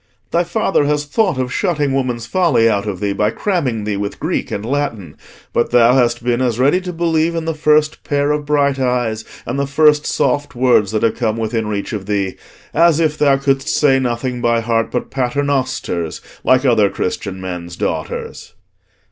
"Thy father has thought of shutting woman's folly out of thee by cramming thee with Greek and Latin; but thou hast been as ready to believe in the first pair of bright eyes and the first soft words that have come within reach of thee, as if thou couldst say nothing by heart but Paternosters, like other Christian men's daughters."